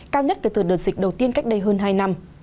cao nhất kể từ đợt dịch đầu tiên cách đây hơn hai năm